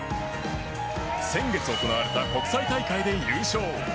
先月行われた国際大会で優勝。